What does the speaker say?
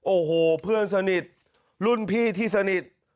โอ้โหเพื่อนสนิทรุ่นพี่ที่สนิท